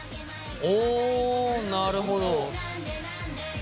おなるほど。